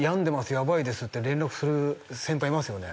やばいですって連絡する先輩いますよね？